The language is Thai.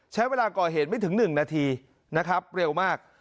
ใช้เวลาก่อเหตุไม่ถึง๑นาทีนะครับเร็วมาก